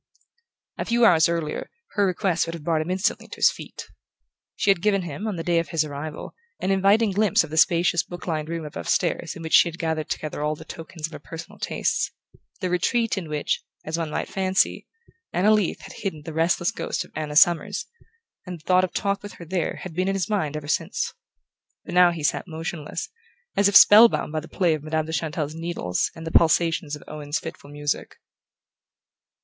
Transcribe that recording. A few hours earlier, her request would have brought him instantly to his feet. She had given him, on the day of his arrival, an inviting glimpse of the spacious book lined room above stairs in which she had gathered together all the tokens of her personal tastes: the retreat in which, as one might fancy, Anna Leath had hidden the restless ghost of Anna Summers; and the thought of a talk with her there had been in his mind ever since. But now he sat motionless, as if spell bound by the play of Madame de Chantelle's needles and the pulsations of Owen's fitful music.